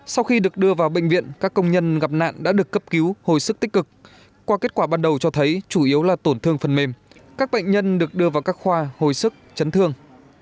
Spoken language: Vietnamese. sau khi được đưa vào bệnh viện các công nhân gặp nạn đã được cấp cứu hồi sức tích cực qua kết quả ban đầu cho thấy chủ yếu là tổn thương phần mềm các bệnh nhân được đưa vào các khoa hồi sức chấn thương